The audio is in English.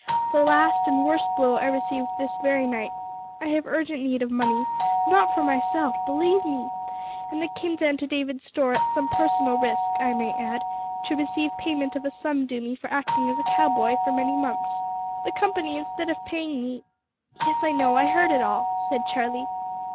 The last and worst blow I received this very night. I have urgent need of money not for myself, believe me and I came down to David's store, at some personal risk, I may add, to receive payment of a sum due me for acting as a cow boy for many months. The company, instead of paying me " "Yes, I know; I heard it all," said Charlie.